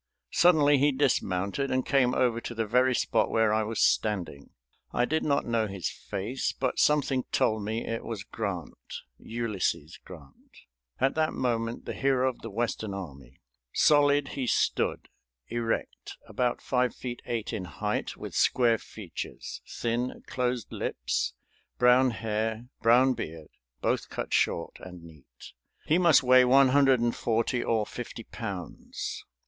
Suddenly he dismounted and came over to the very spot where I was standing. I did not know his face, but something told me it was Grant, Ulysses Grant, at that moment the hero of the Western army. Solid he stood, erect, about five feet eight in height, with square features, thin, closed lips, brown hair, brown beard, both cut short, and neat. "He must weigh one hundred and forty or fifty pounds.